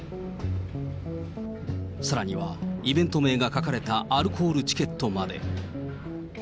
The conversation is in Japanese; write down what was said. さらには、イベント名が書かれたアルコールチケットまで。